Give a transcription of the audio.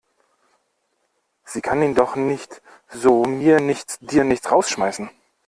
Sie kann ihn doch nicht so mir nichts, dir nichts rausschmeißen!